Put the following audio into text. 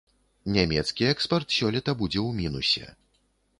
Нямецкі экспарт сёлета будзе ў мінусе.